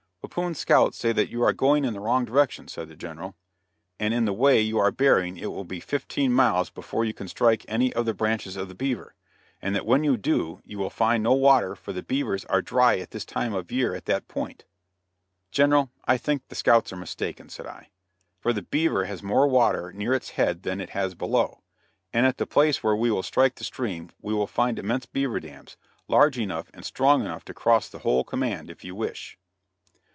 "Pepoon's scouts say that you are going in the wrong direction," said the General, "and in the way you are bearing it will be fifteen miles before you can strike any of the branches of the Beaver; and that when you do, you will find no water, for the Beavers are dry at this time of the year at that point." "General, I think the scouts are mistaken," said I, "for the Beaver has more water near its head than it has below; and at the place where we will strike the stream we will find immense beaver dams, large enough and strong enough to cross the whole command, if you wish."